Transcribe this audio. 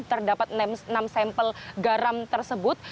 terdapat enam sampel garam tersebut